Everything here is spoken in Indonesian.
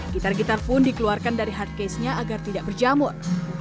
gitar gitar pun dikeluarkan dari hardcase nya agar tidak berjamur